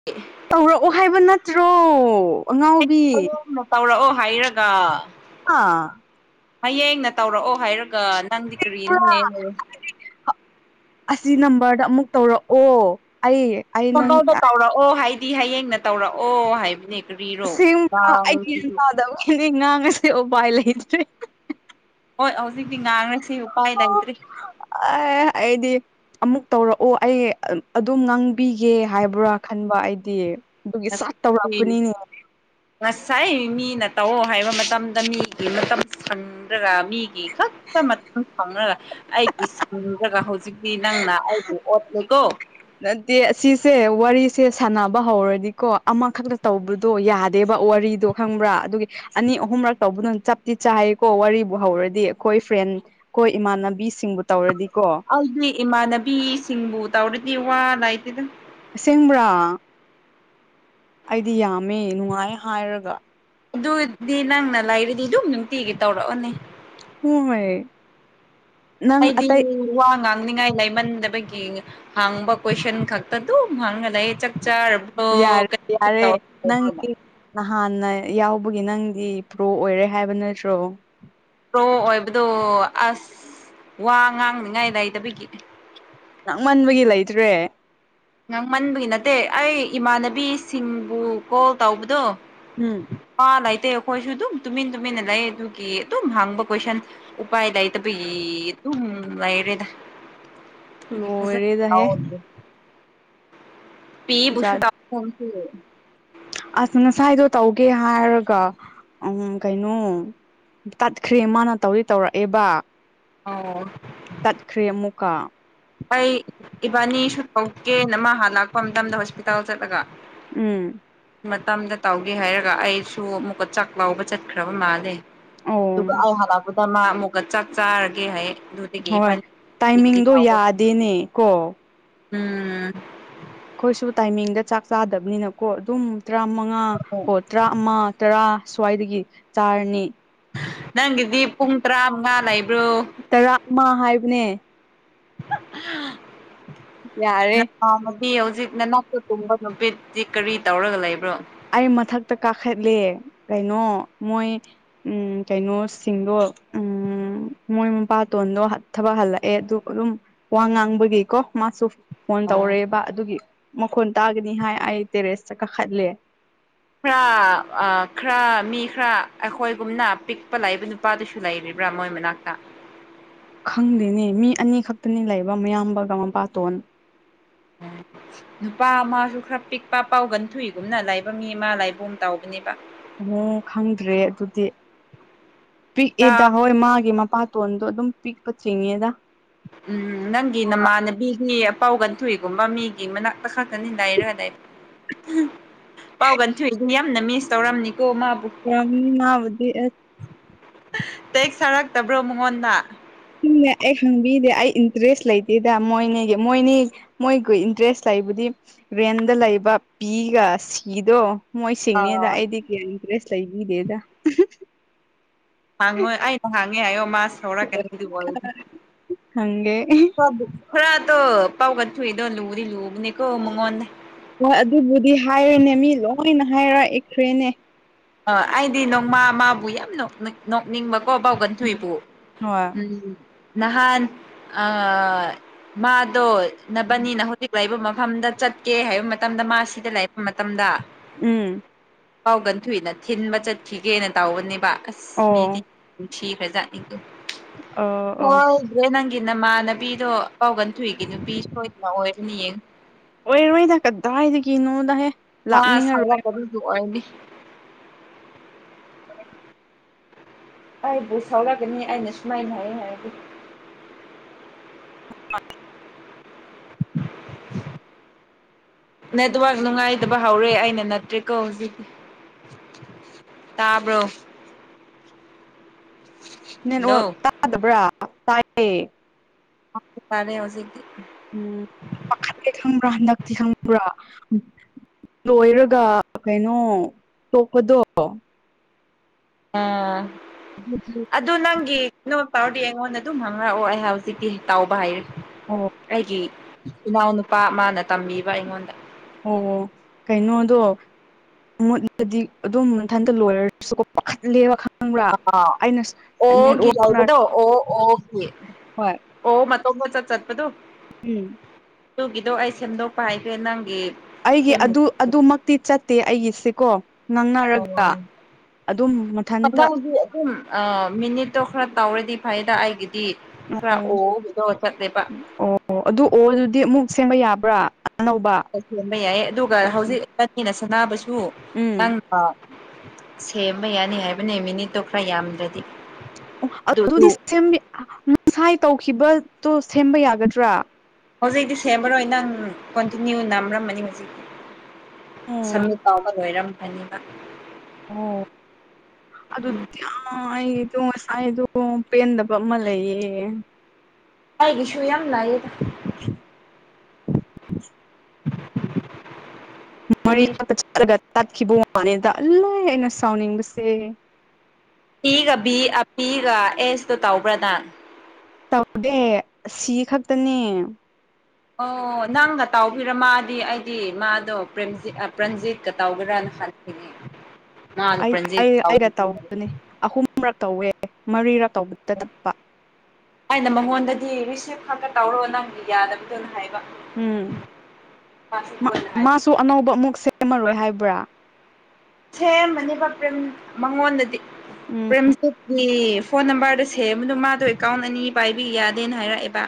ꯍ [inaudible] ꯇꯧꯔꯛꯑꯣ ꯍꯥꯏꯕ ꯅꯠꯇ꯭ꯔꯣ ꯑꯉꯥꯎꯕꯤ ꯍꯌꯦꯡꯅ ꯇꯧꯔꯛꯑꯣ ꯍꯥꯏꯔꯒ ꯑꯥ ꯍꯌꯦꯡꯅ ꯇꯧꯔꯛꯑꯣ ꯍꯥꯏꯔꯒ ꯅꯪꯗꯤ ꯀꯔꯤꯅꯣꯅꯦ ꯑꯁꯤ ꯅꯝꯕꯔꯗ ꯑꯃꯨꯛ ꯇꯧꯔꯛꯑꯣ ꯑꯩ ꯑꯩ ꯅꯪ ꯀꯗꯥꯎꯗ [unintelligible] ꯇꯧꯔꯛꯑꯣ ꯍꯥꯏꯗꯤ ꯍꯌꯦꯡ ꯅꯠꯇꯦ ꯇꯧꯔꯛꯑꯣ ꯍꯥꯏꯕꯅꯦ ꯀꯔꯤꯔꯣ ꯅꯪꯁꯤꯁꯨ ꯍꯧꯖꯤꯛꯪꯉꯥꯡꯉꯁꯨ ꯎꯄꯥꯏ ꯂꯩꯇ꯭ꯔꯦ ꯍꯣꯏ ꯍꯧꯖꯤꯛꯇꯤ ꯉꯥꯡꯔꯁꯤ ꯎꯄꯥꯏ ꯂꯩꯇ꯭ꯔꯤ ꯑꯥ ꯑꯩꯗꯤ ꯑꯃꯨꯛ ꯇꯧꯔꯛꯑꯣ ꯑꯩ ꯑꯗꯨꯝ ꯉꯥꯡꯕꯤꯒꯦ ꯍꯥꯏꯕ꯭ꯔꯥ ꯈꯟꯕ ꯑꯩꯗꯤ ꯑꯗꯨꯒꯤ ꯑ ꯁꯠ [unintelligible] ꯇꯧꯔꯛꯄꯅꯤꯅꯦ ꯉꯁꯥꯏ ꯃꯤꯅ ꯇꯧ ꯍꯥꯏꯕ ꯃꯇꯝꯗ ꯃꯤꯒꯤ ꯃꯇꯝ ꯐꯪ ꯈꯪꯗ꯭ꯔꯒ ꯃꯤꯒꯤ ꯈꯛꯇ ꯃꯇꯝ ꯐꯪꯔꯒ ꯑꯩꯒꯤ ꯏꯁꯤꯡ ꯖꯒ ꯍꯧꯖꯤꯛꯇꯤ ꯅꯪꯅ ꯑꯩꯕꯨ ꯑꯣꯠꯂꯦꯀꯣ ꯅꯠꯇꯦ ꯑꯁꯤꯁꯦ ꯋꯥꯔꯤꯁꯦ ꯁꯥꯟꯅꯕ ꯍꯧꯔꯗꯤꯀꯣ ꯑꯃꯈꯛꯇ ꯇꯧꯕꯗꯣ ꯌꯥꯗꯦꯕ ꯋꯥꯔꯤꯗꯣ ꯈꯪꯕ꯭ꯔꯥ ꯑꯗꯨꯒꯤ ꯑꯅꯤ ꯑꯍꯨꯝꯔꯛ ꯇꯧꯕꯗꯣ ꯆꯞꯇꯤ ꯆꯥꯏꯌꯦꯀꯣ ꯋꯥꯔꯤꯕꯨ ꯍꯧꯔꯗꯤ ꯑꯩꯈꯣꯏ ꯐ꯭ꯔꯦꯟ ꯑꯩꯈꯣꯢꯏ ꯏꯃꯥꯟꯅꯕꯤꯁꯤꯡꯕꯨ ꯇꯧꯔꯗꯤꯀꯣ ꯑꯩꯗꯤ ꯏꯃꯥꯟꯅꯕꯤꯁꯤꯡꯕꯨ ꯇꯧꯔꯗꯤ ꯋꯥ ꯂꯩꯇꯦꯗ ꯑꯁꯦꯡꯕ꯭ꯔꯥ ꯑꯩꯗꯤ ꯌꯥꯝꯃꯦ ꯅꯨꯡꯉꯥꯏ ꯍꯥꯏꯔꯒ ꯑꯗꯨꯗꯤ ꯅꯪꯅ ꯂꯩꯥꯔꯗꯤ ꯑꯗꯨꯝ ꯅꯨꯡꯇꯤꯒꯤ ꯇꯧꯔꯛꯑꯣꯅꯦ ꯍꯣꯢ ꯑꯩꯩꯗꯤ ꯋꯥ ꯉꯥꯡꯅꯤꯡꯉꯥꯏ ꯂꯩꯃꯟꯗꯕꯒꯤ ꯍꯥꯡꯕ ꯀꯣꯏꯁꯟ ꯈꯛꯇ ꯑꯗꯨꯝ ꯍꯥꯡꯉ ꯂꯩ ꯆꯥꯛ ꯆꯥꯔꯕꯣ ꯌꯥꯔꯦ ꯌꯥꯔꯦ ꯀꯩꯗꯧꯔꯤꯅꯣ ꯅꯪꯒꯤ ꯅꯍꯥꯟꯅ ꯌꯥꯎꯕꯒꯤ ꯅꯪꯗꯤ ꯄ꯭ꯔꯣ ꯑꯣꯏꯔꯦ ꯍꯥꯏꯕ ꯅꯠꯇ꯭ꯔꯣ ꯄ꯭ꯔꯣ ꯑꯣꯏꯕꯗꯣ ꯑꯁ ꯋꯥ ꯉꯥꯡꯅꯤꯉꯥꯏ ꯂꯩꯇꯕꯒꯤ ꯉꯥꯡꯃꯟꯕꯒꯤ ꯂꯩꯇ꯭ꯔꯦ ꯉꯥꯡꯃꯟꯕꯒꯤ ꯅꯠꯇꯦ ꯑꯩ ꯏꯃꯥꯟꯅꯕꯤꯁꯤꯡꯕꯨ ꯀꯣꯜ ꯇꯧꯕꯗꯣ ꯎꯝ ꯋꯥ ꯂꯩꯇꯦ ꯑꯩꯈꯣꯏꯁꯨ ꯑꯗꯨꯝ ꯇꯨꯃꯤꯟ ꯇꯨꯃꯤꯟꯅ ꯂꯩ ꯑꯗꯨꯒꯤ ꯑꯗꯨꯝ ꯍꯪꯕ ꯀꯣꯏꯁꯟ ꯎꯄꯥꯢ ꯂꯩꯇꯕꯒꯤ ꯗꯨꯝ ꯂꯩꯔꯦꯗ ꯑꯗꯨꯒꯤ ꯐꯖꯅ ꯂꯣꯢꯔꯦꯗꯍꯦ ꯇꯧꯗ꯭ꯔꯦ ꯄꯤꯕꯨꯁꯨ ꯖꯥꯠ [unintelligible] ꯀꯁꯤ ꯑꯁ ꯉꯁꯥꯏꯗꯣ ꯇꯧꯒꯦ ꯍꯥꯏꯔꯒ ꯎꯝ ꯀꯩꯅꯣ ꯇꯠꯈ꯭ꯔꯦ ꯃꯥꯅ ꯇꯧꯗꯤ ꯇꯧꯔꯛꯑꯦꯕ ꯑꯣ ꯇꯠꯈ꯭ꯔꯦ ꯑꯃꯨꯛꯀ ꯑꯩ ꯏꯕꯥꯅꯤ ꯁꯨ ꯇꯧꯒꯦꯅ ꯃꯥꯥ ꯍꯥꯂꯥꯛꯄ ꯃꯇꯝꯗ ꯍꯣꯁꯄꯤꯇꯥꯜ ꯆꯠꯂꯒ ꯎꯝ ꯃꯇꯝꯗ ꯇꯧꯒꯦ ꯍꯥꯏꯔꯒ ꯑꯩꯁꯨ ꯑꯃꯨꯛꯀ ꯆꯥꯛ ꯂꯥꯎꯕ ꯆꯠꯈ꯭ꯔꯕ ꯃꯥꯜꯂꯦ ꯑꯣ ꯑꯗꯨꯒ ꯑꯩ ꯍꯜꯂꯛꯄꯗ ꯃꯥ ꯑꯃꯨꯛꯀ ꯆꯥꯛ ꯆꯥꯔꯒꯦ ꯍꯥꯏꯌꯦ ꯑꯗꯨꯗꯒꯤ ꯍꯣꯏ ꯏꯕꯥꯅꯤ ꯒꯤꯗꯤ ꯇꯥꯏꯃꯤꯡꯗꯣ ꯇꯥꯎꯕ ꯌꯥꯗꯦꯅꯦ ꯀꯣ ꯎꯝ ꯑꯩꯈꯣꯏꯁꯨ ꯇꯥꯏꯃꯤꯡꯗ ꯆꯥꯛ ꯆꯥꯗꯕꯅꯤꯅꯀꯣ ꯑꯗꯨꯝ ꯇꯔꯥꯃꯉꯥ ꯍꯣ ꯇꯔꯥ ꯑꯃ ꯇꯔꯥ ꯁ꯭ꯋꯥꯏꯗꯒꯤ ꯆꯥꯔꯅꯤ ꯅꯪꯒꯤꯗꯤ ꯄꯨꯡ ꯇꯔꯥ ꯃꯉꯥ ꯂꯩꯕ꯭ꯔꯣ ꯇꯔꯥ ꯑꯃ ꯍꯥꯏꯕꯅꯦ [unintelligible] ꯌꯥꯔꯦ ꯑꯥ ꯅꯨꯄꯤ ꯍꯧꯖꯤꯛ ꯅꯅꯥꯛꯇ ꯇꯨꯝꯕ ꯅꯨꯄꯤꯁꯤ ꯀꯔꯤ ꯇꯧꯔꯒ ꯂꯩꯕ꯭ꯔꯣ ꯑꯩ ꯃꯊꯛꯇ ꯀꯥꯈꯠꯂꯦ ꯀꯩꯅꯣ ꯃꯣꯏ ꯎꯝ ꯀꯩꯅꯣꯁꯤꯡꯗꯣ ꯎꯝ ꯃꯣꯏ ꯃꯄꯥꯇꯣꯟꯗꯣ ꯊꯕꯛ ꯍꯜꯂꯛꯑꯦ ꯑꯗꯨ ꯑꯗꯨꯝ ꯋꯥ ꯉꯥꯡꯕꯒꯤ ꯀꯣ ꯃꯥꯁꯨ ꯐꯣꯟ ꯇꯧꯔꯦꯕ ꯑꯗꯨꯒꯤ ꯃꯈꯣꯟ ꯇꯥꯒꯅꯤ ꯍꯥꯏ ꯑꯩ ꯇꯦꯔꯦꯁꯇ ꯀꯥꯈꯠꯂꯦ ꯈꯔ ꯈꯔ ꯃꯤ ꯈꯔ ꯑꯩꯈꯣꯏꯒꯨꯝꯅ ꯄꯤꯛꯄ ꯂꯩꯕ ꯅꯨꯄꯤ ꯅꯨꯄꯥꯗꯨꯁꯨ ꯂꯩꯔꯤꯕ꯭ꯔꯥ ꯃꯣꯏ ꯃꯅꯥꯛꯇ ꯈꯪꯗꯦꯅꯦ ꯃꯤ ꯑꯅꯤ ꯈꯛꯇꯅꯦ ꯂꯩꯕ ꯃꯌꯥꯝꯕꯒ ꯃꯄꯥꯇꯣꯟ [inaudible] ꯅꯨꯄꯥ ꯑꯃꯁꯨ ꯈꯔ ꯄꯤꯛꯄ ꯄꯥꯎꯒꯟ ꯊꯨꯏꯒꯨꯝꯅ ꯂꯩꯕ ꯃꯤ ꯑꯃ ꯂꯩꯒꯨꯝ ꯇꯧꯕꯅꯦꯕ ꯑꯣ ꯈꯪꯗ꯭ꯔꯦ ꯑꯗꯨꯗꯤ ꯄꯤꯛꯋꯦꯗ ꯍꯣꯏ ꯃꯥꯒꯤ ꯃꯄꯥ ꯇꯣꯟꯗꯣ ꯑꯗꯨꯝ ꯄꯤꯛꯄ ꯆꯤꯡꯉꯦꯗ ꯎꯝ ꯅꯪꯒꯤ ꯅꯃꯥꯟꯅꯕꯤꯒꯤ ꯑꯄꯥꯎ ꯒꯟꯊꯨꯏꯒꯨꯝꯕ ꯃꯤꯒꯤ ꯃꯅꯥꯛꯇ ꯈꯛꯇꯅꯤ ꯅꯩꯔꯒ ꯂꯩꯕ ꯄꯥꯎ ꯀꯟꯊꯨꯏꯗꯤ ꯌꯥꯝꯅ ꯃꯤꯁ ꯇꯧꯔꯝꯅꯤꯀꯣ ꯃꯥꯕꯨ ꯌꯥꯝ ꯃꯥꯕꯨꯗꯤ ꯑꯁ ꯇꯦꯛ ꯊꯥꯔꯛꯇꯕ꯭ꯔꯣ ꯃꯉꯣꯟꯗ ꯁꯨꯝꯅꯦ ꯑꯩ ꯈꯪꯕꯤꯗꯦ ꯑꯩ ꯏꯟꯇꯔꯦꯁ ꯂꯩꯇꯦꯗ ꯃꯣꯏꯅꯤꯒꯤ ꯃꯣꯏꯅꯤ ꯃꯣꯏꯒ ꯏꯟꯇꯔꯦꯁ ꯂꯩꯕꯨꯗꯤ ꯔꯦꯟꯗ ꯂꯩꯕ ꯄꯤꯒ ꯁꯤꯗꯣ ꯃꯣꯏ ꯁꯤꯡꯅꯤꯗ ꯑꯥ ꯑꯩꯗꯤ ꯀꯌꯥ ꯏꯟꯇꯔꯦꯁ ꯂꯩꯕꯤꯗꯦꯗ ꯐꯪꯉꯣꯏ ꯑꯩꯅ ꯍꯥꯡꯉꯦ ꯍꯥꯏꯌꯣ ꯃꯥ ꯍꯧꯔꯛꯀꯅꯤ ꯑꯗꯨ ꯈꯪꯒꯦ ꯑꯣꯢꯔꯗꯤ ꯈꯔꯇꯣ ꯄꯥꯎꯒꯠ ꯊꯨꯏꯗꯣ ꯂꯨꯗꯤ ꯂꯨꯕꯅꯦꯀꯣ ꯃꯉꯣꯟꯗ ꯍꯣꯏ ꯑꯗꯨꯕꯨꯗꯤ ꯍꯥꯏꯔꯅꯦ ꯃꯤ ꯂꯣꯏꯅ ꯍꯥꯏꯔꯛꯈ꯭ꯔꯦꯅꯦ ꯑꯥ ꯑꯩꯗꯤ ꯅꯣꯡꯃ ꯃꯥꯕꯨ ꯌꯥꯝ ꯅꯣꯛꯅꯤꯡꯕꯀꯣ ꯕꯥꯎꯒꯟꯊꯨꯏꯕꯨ ꯍꯣꯏ ꯎꯝ ꯅꯍꯥꯟ ꯑꯥ ꯃꯥꯗꯣ ꯅꯕꯅꯤꯅ ꯍꯧꯖꯤꯛ ꯂꯩꯕ ꯃꯐꯝꯗ ꯆꯠꯀꯦ ꯍꯥꯏꯕ ꯃꯇꯝꯗ ꯃꯥ ꯁꯤꯗ ꯂꯩꯕ ꯃꯇꯝꯗ ꯎꯝ ꯄꯥꯎꯒꯟꯊꯨꯏꯅ ꯊꯤꯟꯕ ꯆꯠꯈꯤꯒꯦꯅ ꯇꯧꯕꯅꯦꯕ ꯑꯁ ꯃꯤꯗꯤ ꯑꯣ [unintelligible] ꯊꯤꯈ꯭ꯔꯖꯠꯅꯤꯀꯣ ꯑ ꯑꯣ ꯍꯣꯏ [unintelligible] ꯅꯪꯒꯤ ꯅꯃꯥꯟꯅꯕꯤꯗꯣ ꯑꯥꯄꯎ ꯒꯟꯊꯨꯏꯒꯤ ꯅꯨꯄꯤ ꯁꯣꯏꯗꯅ ꯑꯣꯏꯒꯅꯤ ꯌꯦꯡ ꯑꯣꯏꯔꯣꯏꯗ ꯀꯗꯥꯏꯗꯒꯤ ꯅꯣꯗꯍꯦ ꯄꯥꯁ ꯁꯡꯂꯛꯇꯕꯤꯒꯤ ꯑꯣꯏꯔꯅꯤ ꯑꯩꯥꯕꯨ ꯁꯥꯎꯔꯛꯀꯅꯤ ꯑꯥꯏꯅ ꯁꯨꯃꯥꯏꯅ ꯍꯥꯏꯌꯦ ꯍꯥꯏꯔꯗꯤ [inaudible] [inaudible] ꯅꯦꯠꯋꯔꯛ ꯅꯨꯡꯉꯥꯏꯇꯥꯕ ꯍꯧꯔꯦ ꯑꯩꯅ ꯅꯠꯇ꯭ꯔꯦꯀꯣ ꯍꯧꯖꯤꯛꯇꯤ ꯇꯥꯕ꯭ꯔꯣ? ꯍꯜꯂꯣ ꯅꯦꯠꯋꯔꯛ ꯇꯥꯗꯕ꯭ꯔꯥ? ꯇꯥꯏꯌꯦ [unintelligible] ꯇꯔꯦ ꯍꯧꯖꯤꯛꯇꯤ ꯎꯝ ꯄꯈꯠꯂꯦ ꯈꯪꯕ꯭ꯔꯥ ꯍꯟꯗꯛꯇꯤ ꯈꯪꯕ꯭ꯔꯥ ꯂꯣꯏꯔꯒ ꯀꯩꯅꯣ ꯇꯣꯛꯄꯗꯣ ꯑꯥ [unintelligible] ꯑꯗꯨ ꯅꯪꯒꯤ ꯀꯩꯅꯣ ꯇꯧꯔꯗꯤ ꯑꯩꯉꯣꯟꯗ ꯑꯗꯨꯝ ꯍꯪꯔꯛꯑꯣ ꯑꯩ ꯍꯧꯖꯤꯛꯇꯤ ꯇꯧꯕ ꯍꯩꯔꯦ ꯑꯣ ꯑꯩꯒꯤ ꯏꯅꯥꯎꯅꯨꯄꯥ ꯑꯃꯥꯅ ꯇꯝꯕꯤꯕ ꯑꯩꯉꯣꯟꯗ꯫ ꯑꯣ ꯑꯣ ꯀꯩꯅꯣꯗꯣ ꯃꯨꯠꯂꯗꯤ ꯑꯗꯨꯝ ꯃꯊꯟꯇ ꯂꯣꯏꯔꯁꯨꯀꯣ ꯄꯥꯈꯠꯂꯦ ꯈꯪ [unintelligible] ꯑꯣꯒꯤ ꯅꯦꯠꯋꯥꯛꯅ ꯇꯧꯕꯗꯣ ꯑꯣ ꯑꯣꯒꯤ ꯍꯣꯏ ꯑꯣ ꯃꯇꯣꯝꯇꯥ ꯆꯠ ꯆꯠꯄꯗꯨ? ꯎꯝ ꯗꯨꯒꯤꯗꯣ ꯑꯩ ꯁꯦꯝꯗꯣꯛꯄ ꯍꯩꯈ꯭ꯔꯦ ꯅꯪꯒꯤ ꯑꯩꯒꯤ ꯁꯦꯝ ꯑꯗꯨ ꯑꯗꯨꯃꯛꯇꯤ ꯆꯠꯇꯦ ꯑꯩꯒꯤꯁꯦꯀꯣ ꯉꯥꯡꯅꯔꯒ ꯑꯣ ꯑꯗꯨꯝ ꯃꯊꯟꯇ [unintelligible] ꯑꯥ ꯃꯤꯅꯤꯠꯇꯣ ꯈꯔ ꯇꯧꯔꯗꯤ ꯐꯩꯗ ꯑꯩꯒꯤꯗꯤ ꯈ꯭ꯔꯥ ꯑꯣ ꯑꯣꯒꯤꯗꯣ ꯆꯠꯂꯦꯕ ꯑꯣ ꯑꯗꯨ ꯑꯣ ꯗꯨꯗꯤ ꯑꯃꯨꯛ ꯁꯦꯡꯕ ꯌꯥꯕ꯭ꯔꯥ ꯑꯥ ꯑꯅꯧꯕ? ꯍꯣꯏ ꯁꯦꯝꯕ ꯌꯥꯏꯌꯦ ꯑꯗꯨꯒ ꯍꯧꯖꯤꯛ ꯏꯕꯟꯅꯤꯅ ꯁꯅꯥꯕꯁꯨ ꯎꯝ ꯅꯪ ꯑꯥ ꯁꯦꯝꯕ ꯌꯥꯅꯤ ꯍꯥꯏꯕꯅꯦ ꯃꯤꯅꯤꯠꯇꯣ ꯈꯔ ꯌꯥꯝꯗ꯭ꯔꯗꯤ ꯑꯣ ꯑꯗꯨ ꯑꯗꯨ ꯑꯗꯨꯗꯤ ꯁꯦꯝꯃꯤꯠ [unintelligible] ꯉꯁꯥꯏ ꯇꯧꯈꯤꯕꯇꯣ ꯁꯦꯝꯕ ꯌꯥꯒꯗ꯭ꯔꯥ? ꯍꯧꯖꯤꯛꯗꯤ ꯁꯦꯝꯃꯔꯣꯏ ꯅꯪ ꯀꯣꯟꯇꯤꯅ꯭ꯌꯨ ꯅꯝꯔꯝꯃꯅꯤ ꯍꯧꯖꯤꯛꯇꯤ ꯑꯣ ꯁꯝꯃꯤꯠ ꯇꯧꯕ ꯂꯣꯏꯔꯝ ꯈ꯭ꯔꯅꯤꯕ [unintelligible] ꯑꯗꯨꯗꯤ ꯎꯝ ꯌꯥ ꯑꯩꯗꯣ ꯉꯁꯥꯏꯗꯣ ꯄꯦꯟꯗꯕ ꯑꯃ ꯂꯩꯌꯦ ꯑꯩꯒꯤꯁꯨ ꯌꯝ ꯂꯩꯌꯦꯗ [inaudible] [inaudible] ꯃꯔꯤꯉꯛꯇ ꯆꯠꯂꯒ ꯇꯠꯈꯤꯕ ꯋꯟꯅꯦꯗ ꯑꯥꯜꯂꯩ ꯑꯩꯅ ꯁꯥꯎꯅꯤꯡꯕꯁꯤ ꯄꯤ ꯒꯥ ꯕꯤ ꯑꯥꯞꯄꯤꯒ ꯑꯦꯁꯇꯣ ꯇꯧꯕ꯭ꯔꯥ ꯅꯪ? ꯇꯧꯗꯦ ꯁꯤ ꯈꯛꯇꯅꯤ ꯑꯣ ꯅꯪꯒ ꯇꯧꯕꯒꯤꯔ ꯃꯥꯗꯤ ꯑꯩꯗꯤ ꯃꯥꯗꯣ ꯄ꯭ꯔꯦꯝꯖꯤꯠ ꯑꯥ ꯄ꯭ꯔꯟꯖꯤꯠꯀꯥ ꯇꯧꯒꯦꯔꯥꯅ ꯈꯟꯈꯤꯕꯅꯦ ꯑꯩ ꯑꯩꯒ ꯑꯩꯒꯥ ꯍꯥꯏ ꯇꯧꯕꯅꯦ ꯑꯍꯨꯝꯔꯛ ꯇꯧꯋꯦ ꯃꯔꯤꯔꯛ ꯇꯧꯕꯗ ꯇꯠꯄ꯫ ꯑꯩꯅ ꯃꯉꯣꯟꯗꯗꯤ ꯔꯤꯁꯤꯞ ꯈꯛꯇ ꯇꯧꯔꯣ ꯅꯪꯒꯤ ꯌꯥꯗꯕꯥꯗꯣꯅ ꯍꯥꯏꯕ ꯎꯝ ꯃꯥꯁꯨ ꯃꯥ ꯀꯣꯟꯅ ꯍꯥꯏ ꯃꯥꯁꯨ ꯑꯅꯧꯕ ꯑꯃꯨꯛ ꯁꯦꯝꯃꯔꯣꯏ ꯍꯥꯏꯕ꯭ꯔꯥ? ꯁꯦꯝꯕꯅꯦꯕ ꯄ꯭ꯔꯦꯝ ꯃꯉꯣꯟꯗꯗꯤ ꯎꯝ ꯄ꯭ꯔꯦꯝꯖꯤꯠꯀꯤ ꯐꯣꯟ ꯅꯝꯕꯔꯗ ꯁꯦꯝꯕꯗꯨ ꯃꯥꯗꯣ ꯑꯦꯀꯥꯎꯟ ꯑꯅꯤ ꯄꯥꯏꯕꯤꯒꯤ ꯌꯥꯗꯦꯅ ꯍꯥꯏꯔꯛꯑꯦꯕ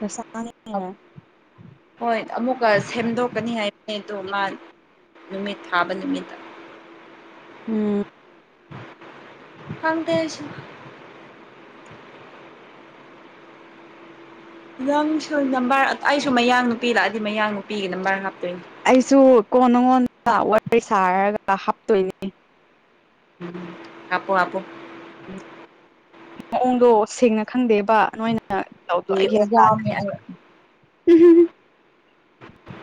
ꯅꯁꯥꯅꯦ ꯍꯣꯏ ꯑꯃꯨꯛꯀ ꯁꯦꯝꯗꯣꯛꯀꯅꯤ ꯍꯥꯏꯕꯅꯤ ꯑꯗꯣ ꯃꯥ ꯅꯨꯃꯤꯠ ꯊꯥꯕ ꯅꯨꯃꯤꯠꯇ ꯎꯝ ꯈꯪꯗꯦ ꯅꯪꯁꯨ ꯅꯝꯕꯔ ꯑꯩꯁꯨ ꯃꯌꯥꯡ ꯅꯨꯄꯤ ꯂꯥꯛꯑꯗꯤ ꯃꯌꯥꯡ ꯅꯨꯄꯤꯒꯤ ꯅꯝꯕꯔ ꯍꯥꯞꯇꯣꯏꯅꯦ ꯑꯩꯁꯨ ꯀꯣ ꯅꯪꯉꯣꯟꯗ ꯋꯥꯔꯤ ꯁꯥꯔꯒ ꯍꯥꯞꯇꯣꯏꯅꯤ ꯍꯥꯞꯄꯣ ꯍꯥꯞꯄꯣ ꯎꯝ ꯃꯑꯣꯡꯗꯣ ꯁꯦꯡꯅ ꯈꯪꯗꯦꯕ ꯅꯣꯏꯅ ꯇꯧꯕꯗꯣ ꯑꯩ ꯒꯌ꯭ꯥꯟ ꯇꯥꯗ꯭ꯔꯤꯕ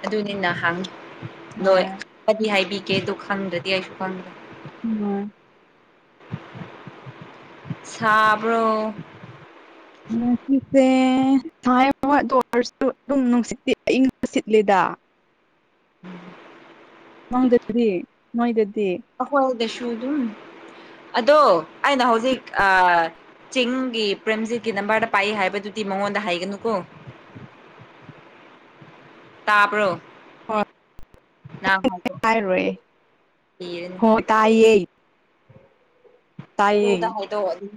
ꯑꯗꯨꯅꯤ ꯅꯍꯥꯟ ꯂꯣꯏ ꯍꯣꯏ ꯀꯗꯤ ꯍꯥꯏꯕꯤꯒꯦ ꯑꯗꯨ ꯈꯪꯗ꯭ꯔꯗꯤ ꯑꯩꯁꯨ ꯈꯪꯗ꯭ꯔꯦ ꯎꯝ ꯃꯥꯅꯦ ꯁꯥꯕ꯭ꯔꯣ ꯉꯁꯤꯁꯦ ꯁꯥꯏ ꯑꯗꯨ ꯑꯣꯏꯔꯁꯨ ꯑꯗꯨꯝ ꯅꯨꯡꯁꯤꯠ ꯏꯌꯤꯡꯕ ꯁꯤꯠꯂꯦꯗꯥ [unintelligible] ꯃꯪꯗꯗꯤ ꯅꯣꯏꯗꯗꯤ ꯑꯩꯈꯣꯏꯗꯁꯨ ꯑꯗꯨꯝ ꯑꯗꯣ ꯑꯩꯅ ꯍꯧꯖꯤꯛ ꯑ ꯆꯤꯡꯒꯤ ꯄ꯭ꯔꯦꯝꯖꯤꯠꯀꯤ ꯅꯝꯕꯔꯗ ꯄꯥꯏ ꯍꯥꯏꯕꯗꯨꯗꯤ ꯃꯉꯣꯟꯗ ꯍꯥꯏꯒꯅꯨꯀꯣ ꯇꯥꯕ꯭ꯔꯣ ꯍꯣꯏ ꯍꯥꯏꯔꯣꯏ [unintelligible] ꯍꯣꯏ ꯇꯥꯏꯌꯦ ꯇꯥꯏꯌꯦ ꯑꯗꯨꯨ ꯍꯥꯏꯗꯣꯛꯑꯗꯤ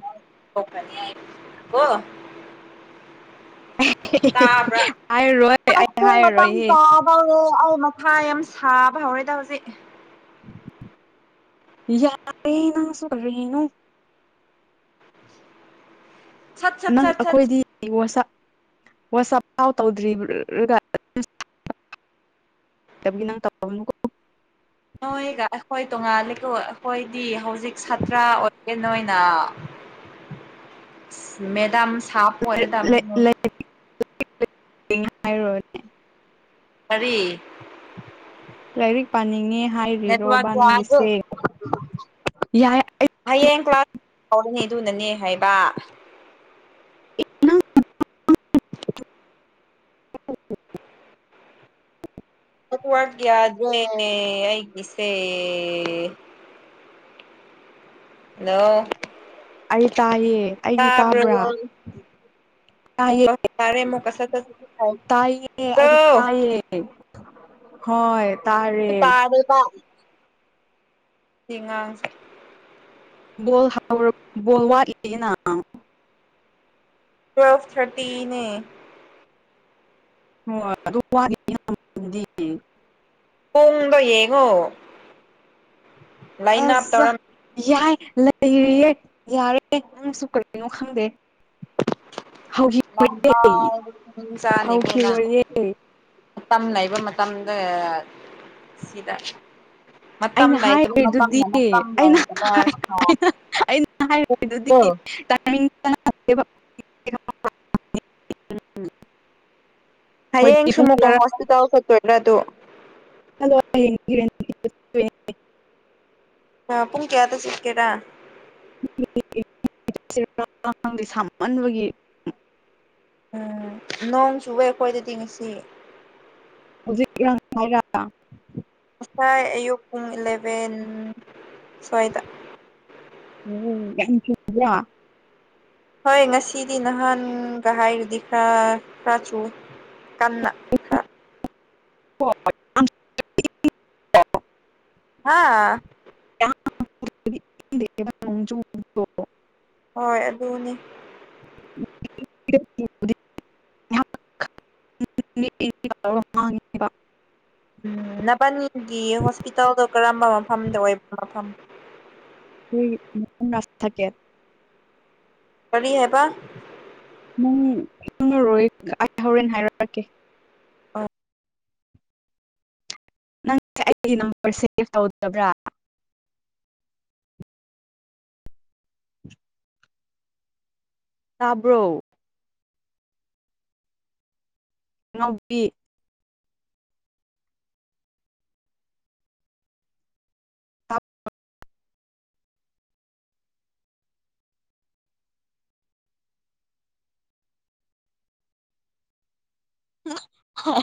ꯇꯥꯕ꯭ꯔꯥ ꯍꯥꯏꯔꯣꯏ ꯑꯩ ꯃꯇꯝ [unintelligible] ꯍꯥꯏꯔꯣꯏꯍꯦ ꯍꯧꯔꯦ ꯑꯩ ꯃꯊꯥ ꯌꯥꯝ ꯁꯥꯕ ꯍꯧꯔꯦꯗ ꯍꯧꯖꯤꯛ ꯌꯥꯔꯦ ꯅꯪꯁꯨ ꯀꯔꯤꯅꯣ ꯁꯠ ꯁꯠ ꯅꯪ ꯁꯠ ꯁꯠ ꯑꯩꯈꯣꯏꯗꯤ ꯋꯥꯆꯞ ꯄꯥꯎ ꯇꯧꯗ꯭ꯔꯤꯕꯒ [unintelligible] ꯅꯣꯏꯒ ꯑꯩꯈꯣꯏ ꯇꯣꯉꯥꯜꯂꯤꯀꯣ ꯑꯩꯈꯣꯏꯗꯤ ꯍꯧꯖꯤꯛ ꯁꯥꯇ꯭ꯔ ꯑꯣꯏꯔꯦ ꯅꯣꯏꯅ [inaudible] ꯃꯦꯗꯥꯝ ꯁꯥꯕ ꯑꯣꯏꯔꯦꯗꯝꯃꯦ ꯂꯩ ꯂꯩ ꯍꯥꯏꯔꯣꯏ ꯀꯔꯤ ꯂꯥꯏꯔꯤꯛ ꯄꯥꯅꯤꯡꯉꯦ ꯅꯦꯠꯋꯥꯛ ꯍꯥꯏꯔꯤꯔꯣꯕꯥ ꯌꯥꯗꯦ ꯅꯪꯒꯤꯁꯦ ꯌꯥꯏ ꯍꯥꯌꯦꯡ ꯀ꯭ꯂꯥꯁ ꯍꯧꯒꯅꯤ ꯑꯗꯨꯅꯅꯦ ꯍꯥꯏꯕ [unintelligible] [unintelligible] ꯅꯦꯠꯋꯥꯛ ꯌꯥꯗꯦꯅꯦ ꯑꯩꯒꯤꯁꯦ ꯍꯜꯂꯣ ꯑꯩ ꯇꯥꯏꯌꯦ ꯑꯩꯗꯤ ꯇꯥꯕ꯭ꯔꯣ ꯇꯥꯕ꯭ꯔꯥ ꯇꯥꯏꯌꯦ ꯇꯥꯔꯦ ꯑꯃꯨꯛꯀ ꯁꯠ ꯁꯠ ꯁꯠ ꯇꯥꯏꯌꯦ ꯑꯩꯗꯤ ꯍꯥꯏꯕ꯭ꯔꯣ ꯇꯥꯏꯌꯦ ꯍꯣꯏ ꯇꯥꯔꯦ ꯇꯥꯗ꯭ꯔꯤꯐꯥꯎ ꯁꯤ ꯉꯥꯡꯁꯦ ꯕꯣꯜ ꯍꯧꯔ ꯕꯣꯜ ꯋꯥꯠꯂꯤꯌꯦꯅ ꯇꯨꯋꯦꯜꯞ ꯊꯥꯔꯇꯤꯅꯦ ꯍꯣꯏ ꯑꯗꯨ [unintelligible] ꯄꯨꯡꯗꯣ ꯌꯦꯡꯉꯣ ꯂꯥꯏꯟ ꯑꯞ ꯑꯁꯥ ꯇꯧꯔꯝ ꯌꯥꯏ ꯂꯩꯔꯤꯌꯦ ꯌꯥꯔꯦ ꯅꯪꯁꯨ ꯀꯔꯤꯅꯣ ꯈꯪꯗꯦ ꯍꯧꯖꯤꯛ [unintelligible] ꯆꯥꯅꯤ ꯀꯣ ꯅꯪ ꯍꯧꯈꯤꯔꯣꯏꯌꯦ ꯃꯇꯝ ꯂꯩꯕ ꯃꯇꯝꯗ ꯑꯥ ꯁꯤꯗ ꯃꯇꯝ ꯑꯩꯅ ꯂꯩꯇꯕ ꯃꯇꯝ ꯍꯥꯏꯔꯤꯗꯨꯗꯤ ꯃꯇꯝ ꯑꯩꯅ [unintelligible] ꯑꯩꯅ ꯍꯥꯏꯔꯤꯗꯨꯗꯤ ꯑꯣ ꯇꯥꯏꯃꯤꯡ [unintelligible] [unintelligible] ꯑꯩꯈꯣꯏꯗꯤ ꯍꯌꯦꯡꯁꯨ ꯄꯨꯡ ꯑꯃꯨꯛꯒ ꯇꯔꯥ ꯍꯣꯁꯄꯤꯇꯥꯜ ꯆꯠꯇꯣꯏꯔ ꯑꯗꯨ ꯑꯗꯣ ꯍꯌꯦꯡ [unintelligible] ꯑ ꯄꯨꯡ ꯀꯌꯥꯗ ꯆꯠꯀꯦꯔꯥ [unintelligible] ꯁꯥꯃꯟꯕꯒꯤ ꯎꯝ ꯅꯣꯡ ꯆꯨꯋꯦ ꯑꯩꯈꯣꯏꯗꯗꯤ ꯉꯁꯤ ꯍꯧꯖꯤꯛ ꯌꯥꯡ [unintelligible] ꯉꯁꯥꯏ ꯑꯌꯨꯛ ꯄꯨꯡ ꯏꯂꯚꯦꯟ ꯁ꯭ꯋꯥꯏꯗ ꯑꯣ ꯌꯥꯝ ꯆꯨꯕꯔꯥ ꯍꯣꯏ ꯉꯁꯤꯗꯤ ꯅꯍꯥꯟꯒ ꯍꯥꯏꯔꯗꯤ ꯈꯔ ꯈꯔ ꯆꯨꯏꯌꯦ ꯀꯟꯅ ꯈꯔ [unintelligible] ꯍꯥꯥ [unintelligible] ꯍꯣꯏ ꯑꯗꯨꯅꯦ [unintelligible] [unintelligible] ꯎꯝ ꯅꯕꯥꯟꯅꯤꯒꯤ ꯍꯣꯁꯄꯤꯇꯥꯜꯗꯣ ꯀꯔꯝꯕ ꯃꯐꯝꯗ ꯑꯣꯏꯕ ꯃꯐꯝ [unintelligible] ꯔꯥꯁ ꯊꯥꯀꯦ ꯀꯔꯤ ꯍꯥꯏꯕ ꯅꯪꯪ ꯈꯪꯉꯔꯣꯏ ꯑꯩ ꯍꯧꯔꯦꯟ ꯍꯥꯏꯔꯛꯑꯒꯦ ꯅꯪꯁꯦ ꯑꯩꯒꯤ ꯅꯝꯕꯔ ꯁꯦꯞ ꯇꯧꯗꯕ꯭ꯔꯥ ꯇꯥꯕ꯭ꯔꯣ ꯑꯉꯥꯎꯕꯤ ꯇꯥ [unintelligible]